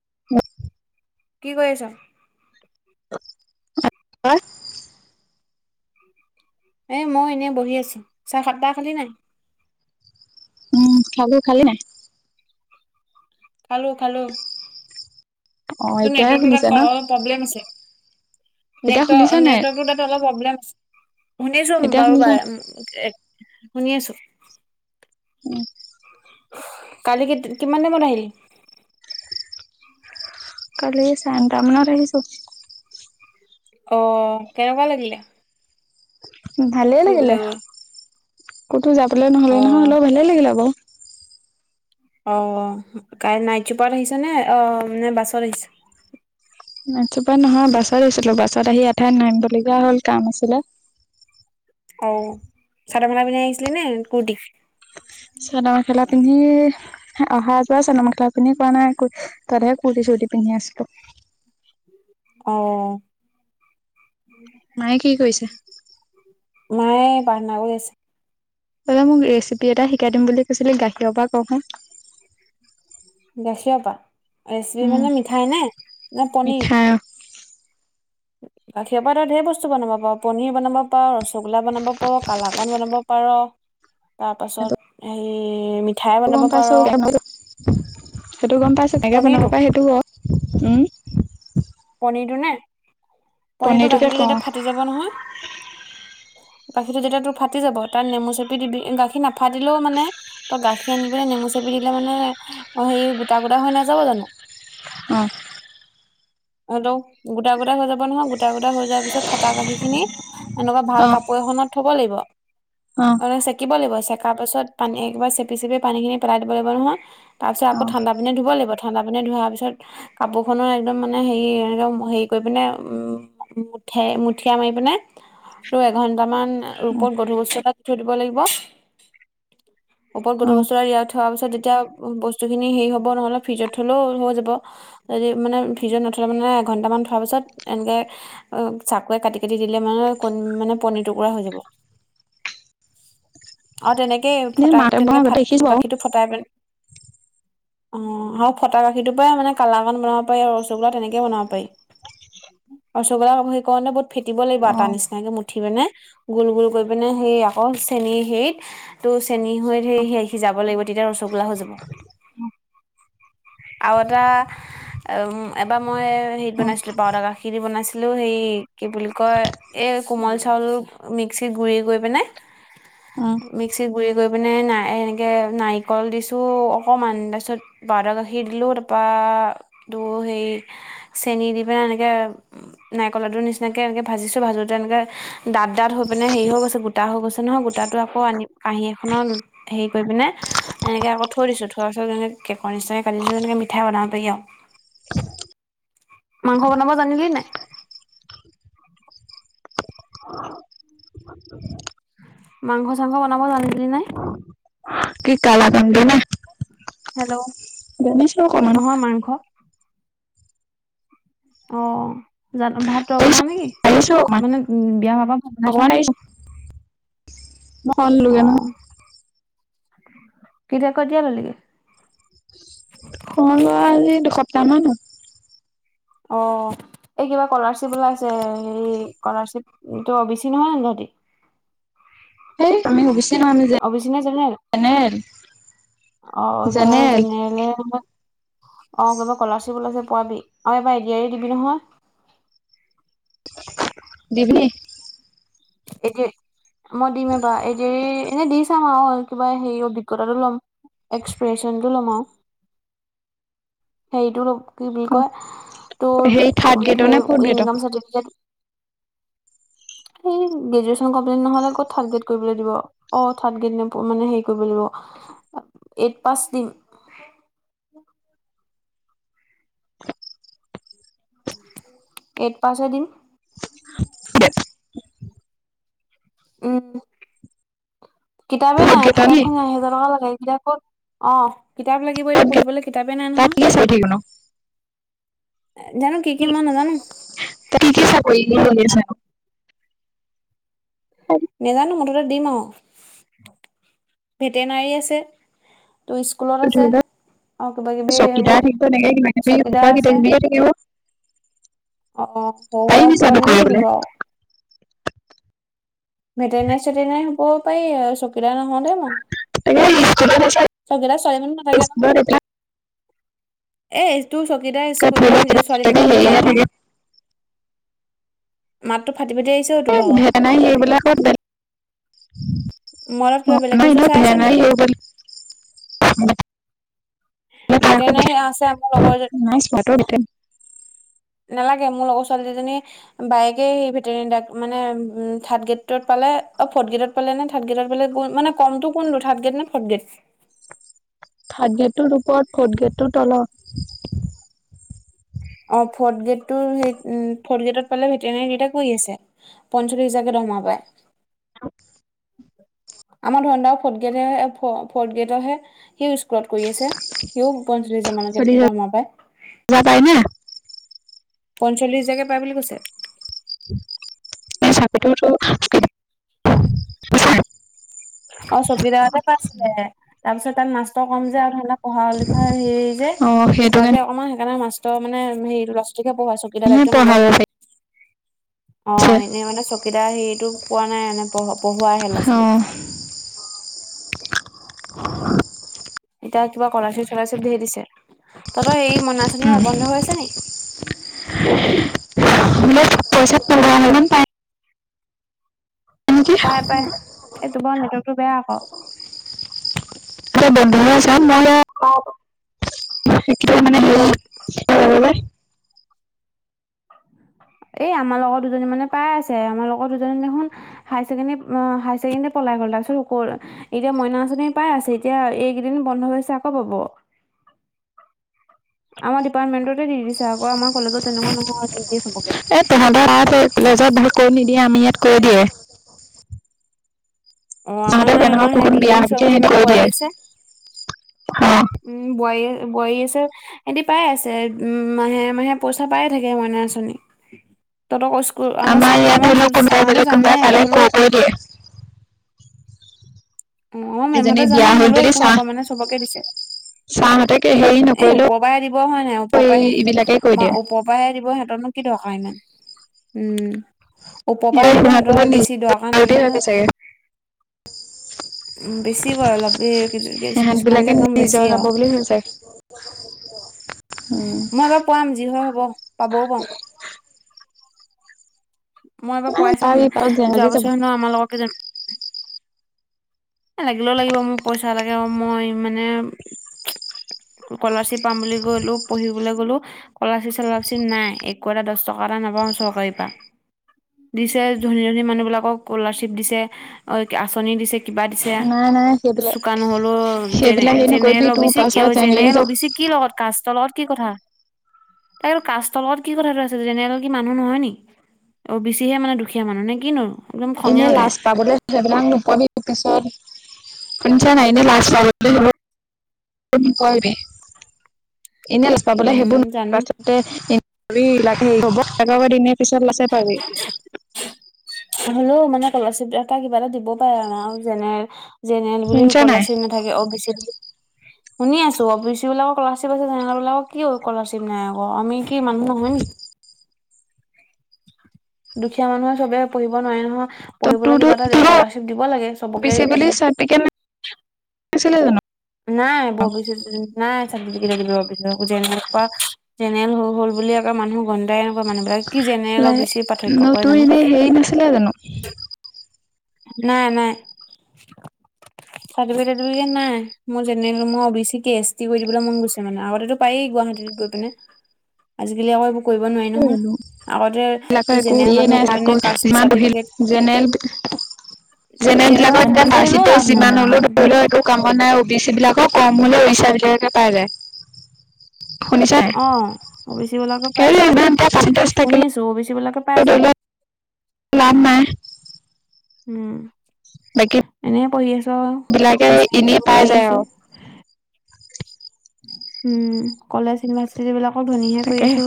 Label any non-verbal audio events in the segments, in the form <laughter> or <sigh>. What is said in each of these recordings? <unintelligible> কি কৰি আছ? <inaudible> এ মই এনেই বহি আছো, চাহ- তাহ খালি নাই? উ খালো, খালি নাই? খালো খালো, অ তোৰ এতিয়াই নেটৰ্ক শুনিছে ন তাত অলপ প্ৰব্লেম আছে। এতিয়া শুনিছা নাই নেট-নেটৱৰ্ক তাত অলপ প্ৰব্লেম আছে। শুনিছোং এতিয়া বাৰু শুনিছা বাৰ শুনি আছো উম কালিকে কিমান টাইমত আহিলি? কালি চাৰে নটা আহিছো। অ কেনেকুৱা লাগিলে? ভালে ফুৰিবলৈ লাগিলে, গৈ? ক'তো যাবলে নহলে নহয় অ' অলপ ভালে লাগিলে আকৌ। অ নাইট চুপাৰত আহিছা নে অ নে বাছত আহিছ নাইট চোপাৰ নহয়, বাছত আহিছিলোঁ, বাছত আহি এঠাইত নামিবলগীয়া হ'ল কাম আছিলে। অ', চাদৰ, মেখেলা পিন্ধি আহিছিলি নে কুৰ্টি? চাদৰ মেখেলা পিন্ধি, অহা যোৱা চাদৰ, মেখেলা পিন্ধি কৰা নাই, কু <unintelligible> কুৰ্তি, চোৰ্তি পিন্ধি আছিলোঁ। অ'। মায়ে কি কৰিছে? মায়ে প্ৰাৰ্থনা কৰি আছে। দাদা মোক ৰেচিপি এটা শিকাই দিম বুলি কৈছিলে গাখীৰৰ পৰা কক চোন দেখিৰৰ পৰা, ৰেচিপি মানে মিঠাই নে, নে পনীৰ? মিঠাই <inaudible> গাখীৰৰ পৰা তই ধেৰ বস্তু বনাব পাৰে। পনীৰ বনাব পাৰে, ৰসগোল্লা বনাব পাৰে, কালাকন বনাব পাৰে। তাৰপাছত হেৰি, মিঠাই সেইটো গম বনাব পাৰ। পাইছো সেইটো গম পাইছো কেনেকে বনাব পনীৰটো পাৰে সেইটো ক? পনিৰটো নে পনিৰটো পনীৰটোকে গাখীৰটো যেতিয়া কওঁ ফাটি যাব নহয় গাখীৰটো তেতিয়া তোৰ ফাটি যাব, তাত নেমু চেপি দিবি। গাখীৰ নাফাটিলেও মানে ত গাখীৰ আনি পিনে নেমু চেপি দিলে মানে, অহ' হেৰি গোটা গোটা হৈ নাযাব জানো? অ'। হ'লেও গোটা গোটা হৈ যাব নহয়, গোটা গোটা হৈ যোৱাৰ পিছত ফটা গাখীৰ খিনি এনেকুৱা অ ভাল কাপোৰ এখনত থব লাগিব। অ' চেকিব লাগিব চেককা পাছত পানী একবাৰ চেপি চেপি পানী খিনি পেলাই দিব লাগিব নহয়। তাৰপিছ অ আকৌ ঠাণ্ডা পানীত ধুব লাগিব ঠাণ্ডা পানীয়ে ধোৱাৰ পিছত, কাপোৰো একদম মানে হেৰি একদম হেৰি কৰি পিনে, উম, মুঠে মুঠিয়া মাৰি পিনে আৰু এঘন্টামান, অ ৰূপত গধুৰ বস্তু এটা দি থৈ দিব লাগিব। ওপৰত অ গধুৰ বস্তু আৰ ইয়াত থোৱা পিছত তেতিয়া বস্তুখিনি হেৰি হ'ব নহ'লে ফ্ৰিজত থলেও হৈ যাব যদি মানে ফ্ৰিজত নথ'লে মানে এঘণ্টামান থোৱাৰ পিছত, এনেকৈ চাকুৱে কাটি কাটি দিলে মানে ক মানে পনিৰ টুকুৰা হৈ যাব, আৰু তেনেকে কেই এনে ফটা, মাহঁতে বনোৱা তেনেকে আগতে ফাট দেখিছো বাৰু গাখীৰটো ফটাই পে অহ' আৰু ফটা গাখীৰটোৰ পৰা মানে কালাকান বনাব পাৰি আৰু ৰসগোল্লা তেনেকে বনাব পাৰি, আৰু ৰচগোলা হেৰি কৰেনে বহুত ফেটিব লাগিব অ আটাৰ নিচিনাকৈ মুঠি পেনে। গোল গোল কৰি পিনে সেই আকৌ চেনী হেৰিত, ত' চেনী হৈ সেই সিজাব লাগিব। তেতিয়া ৰসগোলা হৈ যাব। আৰু এটা উম, এবাৰ মই হেৰিত অ বনাইছিলো, পাউদাৰ গাখীৰ দি বনাইছিলো হে, কি বুলি কয় এই কোমল মিঠা আলু মিক্সীত গুৰি কৰি পেনাই, অ মিক্সিত গুৰি কৰি। গৈ পিনে নাই এনেকে, নাৰিকল দিছো অকমান, তাৰ পিছত বাৰউদৰ গাখীৰ দিলো তাৰপা অহ'। <unintelligible> হেৰি, চেনি দি পিনে এনেকে, নাৰিকলাডুৰ নিচিনাকৈ এনেকৈ ভাজিছোঁ, ভাজোঁতে এনেকে দাঁত দাঁত হৈ পিনে হেৰি হৈ গৈছে গোটা হৈ গৈছে নহয় গোটাটো আকৌ আনিব। কাঁহী এখনত হেৰি কৰি পিনে, এনেকে আকৌ থৈ দিছো থোৱা যেনেকে, কেকৰ কাটিছো যেনেকে, মিঠাইও অনা পেৰিয়া। মাংস বনাব জানিলী নাই? <unintelligible> মাংস চাংস বনাব জানিলি নে? কি কালা কন টো নে? হেল্ল'। জানিছো অকমান নহয় মাংস। অহ'। জানো ভাত তই বনাও নেকি? পাৰিছো অকমান মানে উম, বিয়া ভাত বনাইছ অকমান নেকি? পাৰিছো <unintelligible> কিতা কেতিয়া ললিগে? শৰন লোৱা আজি দুসপ্তাহ মান হ'ল। অহ' এই কিবা স্কলাৰশ্বিপ ওলাইছে হেৰি স্কলাৰশ্বিপ তো অবিছি নহয় তহঁতি? <unintelligible> অভিচিনে জনেৰেল জেনেৰেল অ' জেনেৰেল হে অহ' কবা স্কলাৰশ্বিপ ওলাইছে পোৱালি। আৰু এবাৰ এ ডি আই দিবি নহয়? দিবি নে? এ দি আৰ ই মই দিম এইবাৰ চাম আৰু কিবা হে অভিজ্ঞতাটো ল'ম এক্সপ্ৰেচন টো ল'ম আৰু। সেইটো কি বুলি কয় টোৰ হেৰি থাৰ্ড গ্ৰেডৰ নে ফৰ্থ গ্ৰেডৰ ইনকম চাৰটিফিকেট <inaudible> এইট পাছ দিম। এইত পাছ হে দিম এক উম কিতাপে ফৰ্থ নাই গ্ৰেডৰ নি কিতাপখন এ হেজাৰ টকা লগাই ক'ত অ' কিতাপ লাগিব ফৰ্থ এতিটো গ্ৰেড পঢ়িবলে কিতাপেই নাই তাত নহয় কি চাকৰি ন জানো কি কি মই নাজানো <inaudible> নেজানো মুঠতে দিম আৰু, ভেটেনাৰী আছে। তোৰ স্কুলত ধৰি আছে লওক আৰু কিবা কিবি চকীদাৰ এইবোৰ থাকিব এনেকে কিবা কিবি সোপা চকীদাৰ কিবা আছে কিবিয়ে থাকিব অ', পাৰিবি <unintelligible> জানো কিবা কিবি কৰিবলৈ থাকিব আৰু। ভেটেনাৰী চেটেনাৰী হ'ব পাৰি কেইটা নহওঁ দেই মই তাকে স্কুলত আছে <inaudible> স্কুলত এইবিলাক এটোৰ চকীদাৰ ধৰি স্কুলত লওক ছোৱালী তাকে মানুহক নিদিয়া হেৰিহে নহয় থাকে <inaudible> ফাটি আহিছে অ তোৰ ভাগৰ ভেটেনাৰী হেৰী বিলাকত মোবাইলত বেলেগ কিবা অ' বেলেগ ন বস্তু ইনে ন চাই আছ নি ভেটেনাৰী ভেটেনাৰী আছে আমাৰ লগৰ এজনী <inaudible> নালাগে মোৰ লগৰ ছোৱালী দুজনী বাইকে স ভেট মানে থাৰ্ড গেটত পালে। ফৰ্ড গেডত পালে নে থাৰ্ড গ্ৰেডত প মানে কমটো কোনটো থাৰ্ড গেড নে ফৰ্দ গ্ৰেড থাৰ্ড গেটতোৰ ওপৰত, ফৰ্থ গেটটোৰ তলত। অ', ফৰ্থ গেটোৰ হেৰিত উম, ফৰ্থ গেটত পালে ভেটেনেৰী <unintelligible> কয়ি আছে, পঞ্চলিছ হেজাৰকে দৰ সোমাব পাৰে <inaudible> আমাৰ ধৰণী দা ফৰ্থ গেডহে হয় ত কৰি আছে সিও পঞ্চল্লিশ মানকে চল্লিশ ধম পায় হাজাৰ পাই না পঞ্চল্লিশ হাজাৰ কে পায় বুলি কৈছে চাবি টো টোৰ অ' ছব দোতে পাে তাৰ পিছত তাত মাষ্টৰ কম যে আৰু পঢ়া লিখা হেৰি যে অ সেইটো থকা যে অকণমান সেইকাৰণে মাষ্টৰ মানে হেৰি ল পঢ়াই চকীদাৰ কাৰণেহে দায়িত্ব নলয় পঢ়াব মানে অ পাৰিছে 'এনেই মানে চকীদাৰ সেটো পোৱা নাই এনে পঢ পঢ়ুৱ আহে ল'ৰা অ ছোৱালীক <inaudible> এতিয়া কিবা কলাচল চলাইচ বুলিহে দিছে তহতই সৰি উম মনাচনী বন্ধ হৈ আছে নেক <inaudible> নেকি পাই পাই এইটোো বাৰ নেটৱৰ্কটো বেয়া আকৌ। <inaudible> সেই কেইটা মানে হে এই আমাৰ লগত দুজনী মানে পাই আছে আমাৰ লগত দুজনী দেখোন হাই ছেকেণ্ডী পলাই গল তাৰপিছত এতিয়া মইনা আঁচনি পাই আছে এতিয়া এইকেইদিন বন্ধ হৈছে আকৌ পাব আমাৰ ডিপাৰ্টমেণ্টতে দি দিছে আকৌ আমাৰ কলেজত তেনেকুৱা নহয় দি দিয়ে এ তহঁতৰ আলেজৰ ভাল কৰি নিদিয়ে আমি ইয়াত কৰি দিয়ে। অ' আমাৰ সিহঁতক নাই তেনেকুৱা আমাৰ সেই কোন বিয়া দুজনী পাতি চব সিহঁতি কেইমান কৈ বী দিয়ে আছে অ উম, বৌআয়ে বোৱাৰী আছে, সিহঁতি পাই আছে, উম, মাহে মাহে পইচা পায়ে থাকে মইনা আচনী। তহতকো স্কুল আমাৰ স্কুল ইয়াত আমাৰো ধৰি লওক যোন কোনোবা ছাৰহঁতে বেলেগ জানে কোনোবা পালে হ'লেও কৈ একো কৈ দিয়ে অ' অ' এজনী মেমহঁতে জানে হ'লেও একো নকয় মানে চবকে দিছে। ছাৰহঁতে এই ওপৰৰ পৰা দিব হয় নাই ওপৰ এই পৰা এইবিলাকে কৈ ম দিয়ে ওপৰ পৰা দিব সিহঁতৰনো কি দৰকাৰ ইমান উম। ওপৰ সেই পাই দিব সিহঁত বোলে সিহঁতৰ নিজ বেছি দৰকাৰ নাই বুলি নহয়। ভাবে চাগে উম বেছি হয় অলপ, এ কি কিছ সিহঁত কিছুমান যে বিলাকে একদম বেছি নিজৰ যাব আৰু। বুলি ভাবিছে উম মই এবাৰ পোৱাম যি হয় হ'ব পাবও পাৰু। মই এবাৰ নাই পাই চাম পাৰি পাৰ জেং যোৱা লাগি যাব বছৰ নহয় আমাৰ লগত কোনো লাগিলেও লাগিব মোৰ পইচা লাগে আৰু মই মানে স্কলাৰশ্বিপ পাম বুলি গ'লো পঢ়িবলৈ গ'লো স্কলাৰশ্বিপ চলাৰশ্বিপ নাই একো এটা দশ টকা এটা নাপ চৰকাৰীৰ পা। দিছে ধনী ধনী মানুহবিলাকক স্কলাৰশ্বিপ দিছে অ', আঁচনি দিছে। কিবা দিছে, নাই নাই সেইবিলাক চোকা নহ'লো যেনে সেইবিলাক হেৰি জেনেৰেল নকৰিবি তোৰ অবিচি কি পাছত অ', জেং লাগি জেনেৰেল যাব অবিচি কি লগত কাষ্টৰ লগত কি কথা? তাক কাষ্টৰ লগত কি কথাটো আছে জেনেলৰ কি মানুহ নহয় নি? অবিচিহে মানে দুখীয়া মানুহ, নে কিনো? একদম খঙে এনেই উঠে লাজ পাবলৈ বোলে আ নোপামি শুনিছা নাই <unintelligible> <unintelligible> এনেই <unintelligible> পাবলে সেইবোৰ উম <unintelligible> নোৱাৰ জানো পাছতোক হ'বনে। পিছত আছে পাবি। হ'লেও মানে ক্কলাৰশ্বিপ এ কিবা এটা দিব পাৰে আৰু আৰু জেনে জেনেৰেল বুলি শুনিছ নাই কলাশি নাথাকে অবিচি শুনি আছোঁ অবিচিবিলাকক কলাৰশ্বিপ আছে জেনেৰেলবিলাকক কি স্কলাৰশ্বিপ নাই আকৌ আমি কি মানুহ নহয় নেকি? <inaudible> দুখীয়া মানুহে চবে পঢ়িব নোৱাৰে নহয়। ত পঢ়িবলৈ তোৰতো কিবা এটা তোৰ অ স্কলাৰশ্বিপ দিব লাগে চবকে। চি বুলি চাৰ্টিফিকেট <unintelligible> নাই <unintelligible> নাই <unintelligible> যেনেকুৱা, জেনেৰেল হৈ গ'ল বুলি, একে মানুহ <unintelligible> মানুহবিলাক কি যেনে অলপ লাই বেছি ন পাৰ্থক্য কৰে তোৰ জানো। এনেই হেৰি নাছিলে জানো নাই, নাই <unintelligible> নাই মই জেনেৰেল মই কেছটি কৰি দিবলৈ মন গৈছে মানে আগতেটো পাৰি গুৱাহাটীত গৈ পিনে আজিকালি আকৌ এইবোৰ কৰিব নোৱাৰি <unintelligible> নহয় জেনেৰেল আগতে তো জেনেৰেল মানুহ গৈ পিনে কাষ্ট চাৰ্টিফিকেট জেনেৰেলত জেনেৰেলবিলাকৰ এতিয়া যিমান কৰিলেও লাভ পাৰ্চেণ্টেজ নাই যিমান হ'লেও, আৰু ধৰি বহুত লওঁ, একো কাম-বন নাই অ'বিচি বিলাকৰ কম হ'লেও ইচ্চা ভিতৰতে পাই যায়। শুনিছা নাই অ', অ'বিচি বিলাকে পাই সেইটোৱে যায়। ইমান এটা পাৰ্চেন্টেজ শুনি থাকিলে আছোঁ, অ'বিচি বিলাকে পাই ধৰি যায়। লও লাভ নাই। উম। বাকী এনেই পঢ়ি আছোঁ আৰু বিলাকে পইচাকেইটা এনেই দুব পাই মাৰি যায় আছোঁ। আৰু উম, কলেজ, ইউনিভাৰ্চিট বিলাকো ধনীহে তাকে কৰিছো।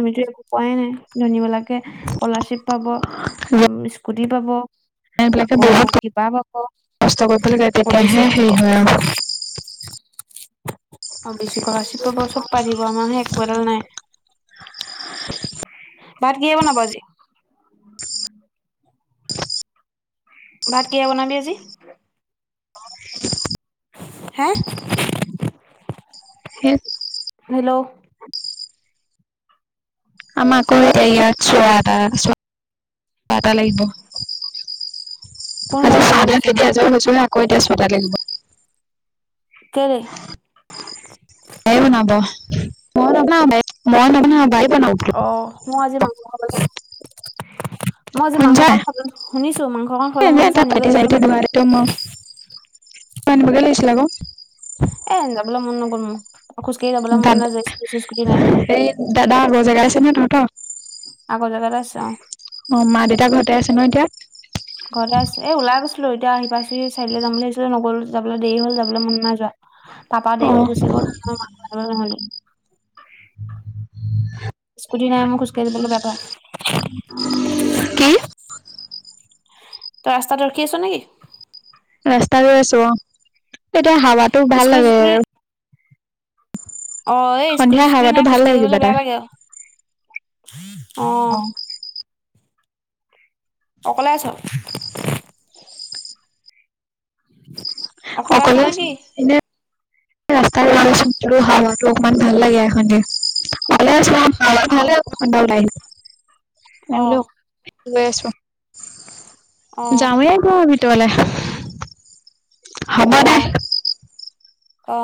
আমিতো একো কৰাই নাই। ধনীবিলাকে স্কলাৰশ্বিপ পাব। আম, জেনেৰেল স্কু টি পাব বিলাকে আকৌ বহুত কিবা পাব, কষ্ট কৰিব লাগে অ'বিচি তেতিয়াহে <unintelligible> হেৰি অ'বিচি হয় আৰু অ'বিচি স্কলাৰশ্বিপ পাব, চব পাৰিব, আমাৰহে একো এডাল নাই। ভাত কিহে বনাব আজি? ভাত কিহেৰে বনাবি আজি? হে? হে হেল্ল' আমাকো হেল্ল' এটা লাগিব কোন আ মৰিবলৈ চাল হৈছেনো এতিয়া এজৰ লৈ, আকৌ এতিয়া ছডাল লাগি। কেৰে বায়ে <unintelligible> অ, মই আজি মাংস, মই আজি মাংস শুনিছা <unintelligible> শুনিছ এনে <unintelligible> এটা আনিবলৈ পাতি যাবলৈ চাতি মানু্হ ধোৱা নাই। দায়িত্ব মই আনিবগে লাগিছিলে আকৌ। এ যাবলে মন নগল ম দা নাই সেই দাদা আগৰ জেগা আছে নে তহঁতৰ? আগৰ জেগা অ, মা-দেউতা ঘৰতে আছে ন এতিয়া? ঘৰতে আছ, এ ওলাই গৈছিলো এতিয়া আ <unintelligible> যাম বুলি আহিছিলে, নগ'ল, যাবলৈ দেৰি হ'ল, যাবলৈ মন নাই যোৱা। তাৰপা অ দেৰি হ'ল গুচি গ'ল স্কুটি নাই মই খোজকাঢ়ি যাবলৈ বেয়া পাও। <inaudible> কি তই ৰাস্তাত ৰখি আছো নেকি? ৰাস্তা গৈ আছো, এতিয়া হাৱাটো ভাল স্কুটি লাগে। চিস্কুটি অ, এই সন্ধিয়া স্কুটি-চুস্কুটি হাৱাটো নাই ভাল লাগে কিবা খোজকাঢ়িবলৈ এটা বেয়া লাগে আৰু। অ'। অকলে আছো? <inaudible> আছ সকলো নেকি এনে ৰাস্তা <unintelligible> অকণমান ভাল লাগে এখন দে, ভালে অ <inaudible> এই অ বোলে গৈ আছো, অ যামেই <unintelligible> আহ। অ।